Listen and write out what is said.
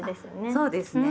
そうですね。